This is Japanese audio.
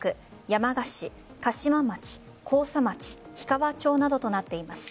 山鹿市、嘉島町甲佐町氷川町などとなっています。